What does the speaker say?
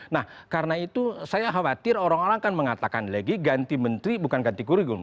nah karena itu saya khawatir orang orang akan mengatakan lagi ganti menteri bukan ganti kurigum